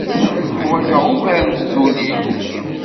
Ḥwajeɣ ugar n tduli.